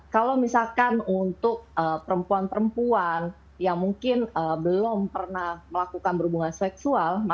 kalau misalkan untuk perempuan perempuan yang mungkin belum pernah melakukan berhubungan seksual